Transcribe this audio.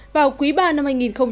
vào quý ba năm hai nghìn một mươi chín